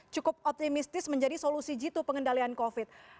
cukup otimistis menjadi solusi jito pengendalian covid